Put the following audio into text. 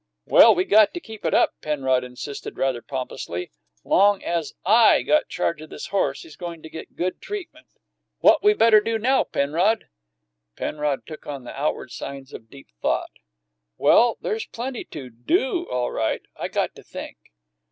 "Well, we got to keep it up," Penrod insisted rather pompously. "Long as I got charge o' this horse, he's goin' to get good treatment." "What we better do now, Penrod?" Penrod took on the outward signs of deep thought. "Well, there's plenty to do, all right. I got to think."